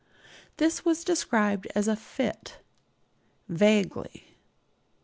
This was described as a 'fit' vaguely.